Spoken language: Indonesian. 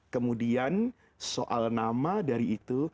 kemudian soal nama dari itu